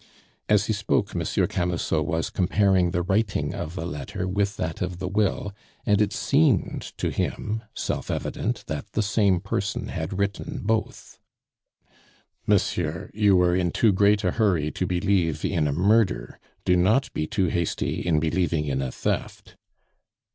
As he spoke Monsieur Camusot was comparing the writing of the letter with that of the will; and it seemed to him self evident that the same person had written both. "Monsieur, you were in too great a hurry to believe in a murder; do not be too hasty in believing in a theft."